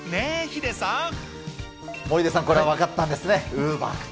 ヒデさん、これは分かったんですね、ウーバーか。